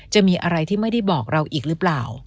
จะมีอะไรที่ไม่ได้บอกเราอีกหรือเปล่า